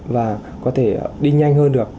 và có thể đi nhanh hơn được